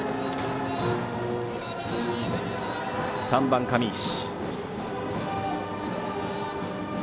３番、上石。